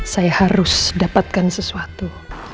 saya harus dapatkan sesuatu